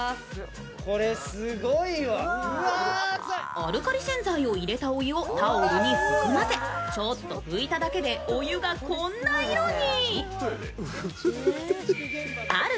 アルカリ洗剤を入れたお湯をタオルに含ませちょっと拭いただけでお湯がこんな色に。